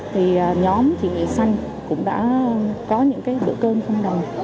thì nhóm chị nghị xanh cũng đã có những bữa cơm không đầy